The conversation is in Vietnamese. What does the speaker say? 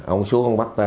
ông xuống bắt tay